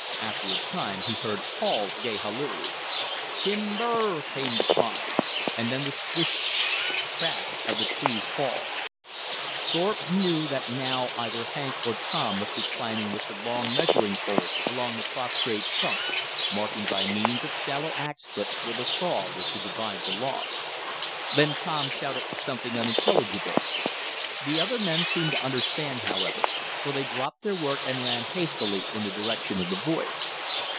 After a time he heard Paul's gay halloo. "TimBER!" came the cry, and then the swish sh sh, CRASH of the tree's fall. Thorpe knew that now either Hank or Tom must be climbing with the long measuring pole along the prostrate trunk, marking by means of shallow ax clips where the saw was to divide the logs. Then Tom shouted something unintelligible. The other men seemed to understand, however, for they dropped their work and ran hastily in the direction of the voice.